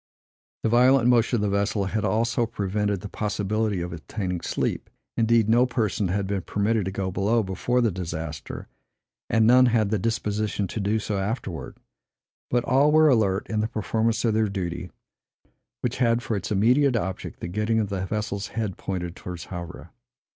The violent motion of the vessel had also prevented the possibility of obtaining sleep; indeed, no person had been permitted to go below before the disaster; and none had the disposition to do so afterwards; but all were alert in the performance of their duty, which had for its immediate object the getting of the vessel's head pointed towards Havre.